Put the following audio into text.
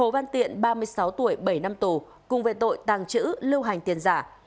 miên ba mươi sáu tuổi bảy năm tù cùng với tội tàng trữ lưu hành tiền giả